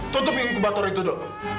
tutup inkubator itu do